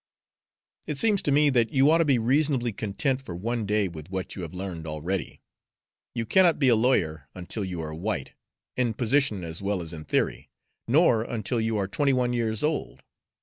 "It seems to me that you ought to be reasonably content for one day with what you have learned already. You cannot be a lawyer until you are white, in position as well as in theory, nor until you are twenty one years old.